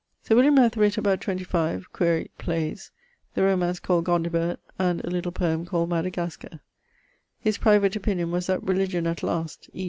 Sir William hath writt about 25 (quaere) playes; the romance called Gondibert; and a little poeme called Madagascar. His private opinion was that Religion at last, e.